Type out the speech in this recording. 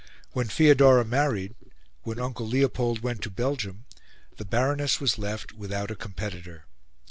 When Feodora married, when Uncle Leopold went to Belgium, the Baroness was left without a competitor.